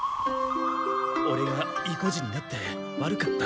オレがいこじになって悪かった。